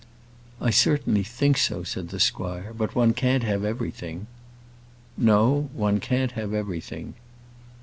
"I certainly think so," said the squire; "but one can't have everything." "No; one can't have everything."